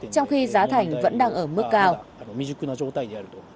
trong khi giá thành vẫn đang ở mức cao